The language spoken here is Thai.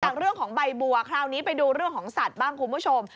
จากเรื่องของใบบัวคราวนี้ไปดูเรื่องของสัตว์บ้างคุณผู้ชม